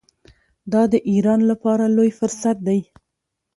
دا د ایران لپاره لوی فرصت دی.